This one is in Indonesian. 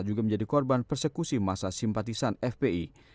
juga menjadi korban persekusi masa simpatisan fpi